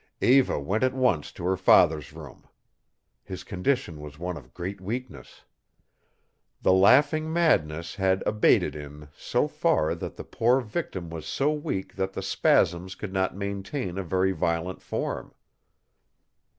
Eva went at once to her father's room. His condition was one of great weakness. The laughing madness had abated in so far that the poor victim was so weak that the spasms could not maintain a very violent form.